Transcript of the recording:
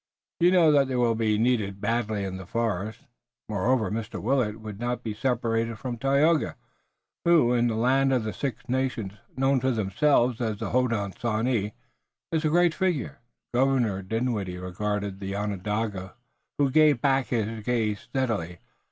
You know that they will be needed badly in the forest. Moreover, Mr. Willet would not be separated from Tayoga, who in the land of the Six Nations, known to themselves as the Hodenosaunee, is a great figure." Governor Dinwiddie regarded the Onondaga, who gave back his gaze steadily.